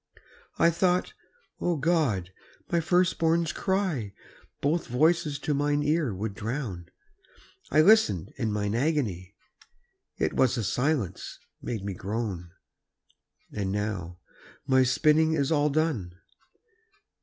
I thought, O God! my first born's cry Both voices to mine ear would drown: I listened in mine agony, It was the silence made me groan! And now my spinning is all done.